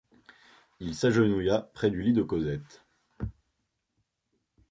Il s’agenouilla près du lit de Cosette.